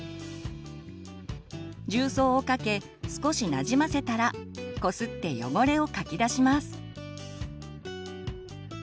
重曹をかけ少しなじませたらこすって汚れをかき出します。